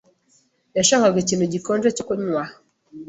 yashakaga ikintu gikonje cyo kunywa.